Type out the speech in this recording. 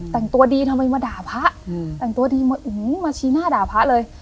แต่งตัวดีทำไมมาด่าพระแต่งตัวดีมาชี้หน้าด่าพระเลย